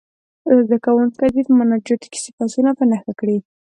هر زده کوونکی دې په مناجات کې صفتونه په نښه کړي.